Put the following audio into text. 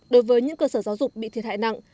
đối với những cơ sở giáo dục bị thiệt hại nặng